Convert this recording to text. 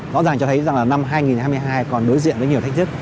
rõ ràng cho thấy rằng là năm hai nghìn hai mươi hai còn đối diện với nhiều thách thức